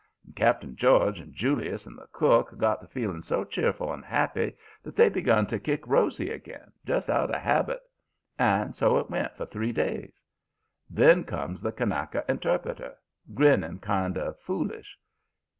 And Cap'n George and Julius and the cook got to feeling so cheerful and happy that they begun to kick Rosy again, just out of habit. And so it went on for three days. "Then comes the Kanaka interpreter grinning kind of foolish.